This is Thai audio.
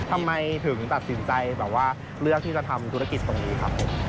ทำไมถึงตัดสินใจแบบว่าเลือกที่จะทำธุรกิจตรงนี้ครับผม